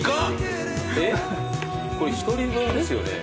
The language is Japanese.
えっこれ１人分ですよね？